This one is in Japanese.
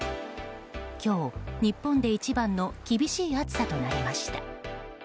今日、日本で一番の厳しい暑さとなりました。